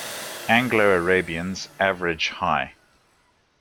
Anglo-Arabians average high.